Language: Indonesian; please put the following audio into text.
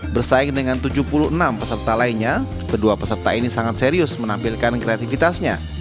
bersaing dengan tujuh puluh enam peserta lainnya kedua peserta ini sangat serius menampilkan kreativitasnya